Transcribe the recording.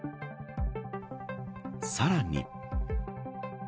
さらに。